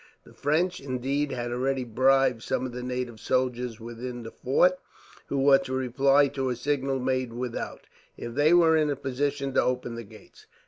The French, indeed, had already bribed some of the native soldiers within the fort; who were to reply to a signal made without, if they were in a position to open the gates.